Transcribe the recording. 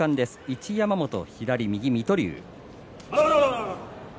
一山本と水戸龍。